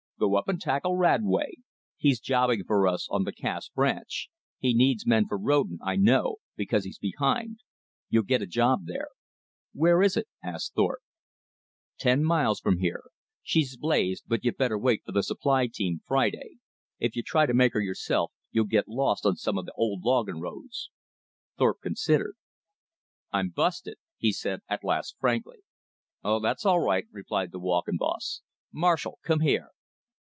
"Go up and tackle Radway. He's jobbing for us on the Cass Branch. He needs men for roadin', I know, because he's behind. You'll get a job there." "Where is it?" asked Thorpe. "Ten miles from here. She's blazed, but you better wait for th' supply team, Friday. If you try to make her yourself, you'll get lost on some of th' old loggin' roads." Thorpe considered. "I'm busted," he said at last frankly. "Oh, that's all right," replied the walking boss. "Marshall, come here!"